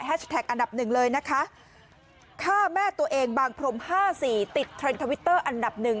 อันดับหนึ่งเลยนะคะฆ่าแม่ตัวเองบางพรมห้าสี่ติดเทรนด์ทวิตเตอร์อันดับหนึ่ง